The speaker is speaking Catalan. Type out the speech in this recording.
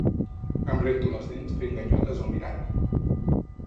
Em rento les dents fent ganyotes al mirall.